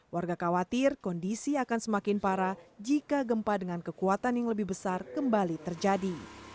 warga khawatir kondisi akan semakin parah jika gempa dengan kekuatan yang lebih besar kembali terjadi